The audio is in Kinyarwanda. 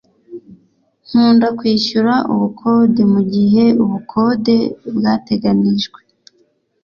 nkunda kwishyura ubukode mugihe ubukode bwateganijwe